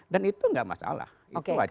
dan itu enggak masalah itu wajar